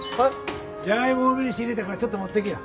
ジャガイモ多めに仕入れたからちょっと持ってけよ。